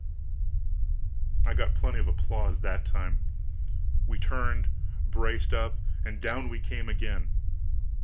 I got plenty of applause that time. We turned, braced up, and down we came again.